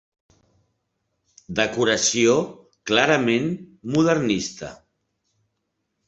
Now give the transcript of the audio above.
Decoració clarament modernista.